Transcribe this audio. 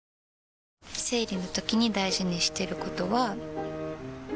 生理のときに大事にしてることは。